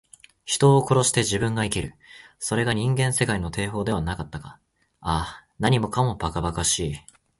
人を殺して自分が生きる。それが人間世界の定法ではなかったか。ああ、何もかも、ばかばかしい。